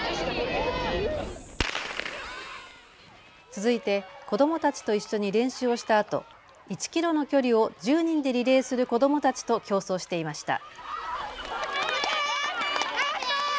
続いて子どもたちと一緒に練習をしたあと、１キロの距離を１０人でリレーする子どもたちと競争していました。